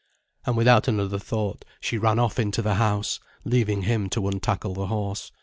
And without another thought she ran off into the house, leaving him to untackle the horse.